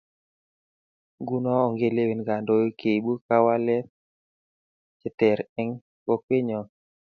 Nguno ongelewen kandoik che ibu kawalet ter eng kokqenyo